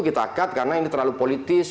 kita akat karena ini terlalu politis